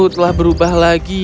telah berubah lagi